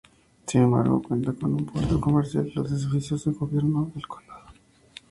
Sin embargo, cuenta con un puerto comercial y los edificios de gobierno del condado.